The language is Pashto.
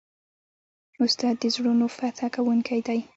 استاد د زړونو فتح کوونکی دی.